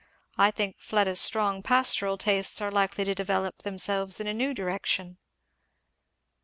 I think Fleda's strong pastoral tastes are likely to develope themselves in a new direction."